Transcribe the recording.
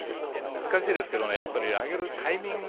難しいですけど、やっぱりあげるタイミング